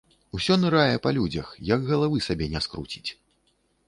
Усё нырае па людзях, як галавы сабе не скруціць.